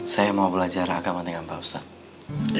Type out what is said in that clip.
saya mau belajar agama dengan pak ustadz